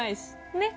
ねっ？